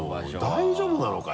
大丈夫なのか？